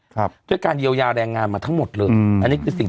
ครับด้วยการเยียวยาแรงงานมาทั้งหมดเลยอืมอันนี้คือสิ่ง